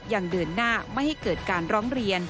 ยังเดินหน้าไม่ให้เกิดการร้องเรียน